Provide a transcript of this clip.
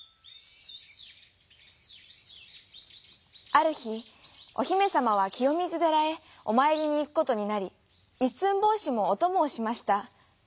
あるひおひめさまはきよみずでらへおまいりにいくことになりいっすんぼうしもおともをしました。